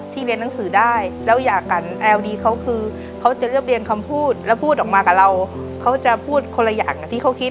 เรียนหนังสือได้แล้วอยากกันแอลดีเขาคือเขาจะเรียบเรียงคำพูดแล้วพูดออกมากับเราเขาจะพูดคนละอย่างที่เขาคิด